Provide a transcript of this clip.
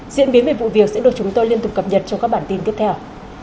diễn biến về vụ việc sẽ được chúng tôi liên tục cập nhật trong các bản tin tiếp theo